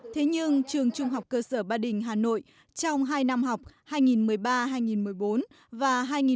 thế nhưng trường trung học cơ sở ba đình hà nội trong hai năm học hai nghìn một mươi ba hai nghìn một mươi bốn và hai nghìn một mươi bốn hai nghìn một mươi năm